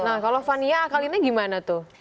nah kalau fania akalinnya gimana tuh